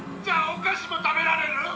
じゃあおかしも食べられる？